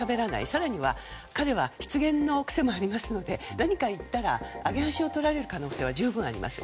更には彼は失言の癖もありますので何か言ったら揚げ足を取られる可能性は十分にあります。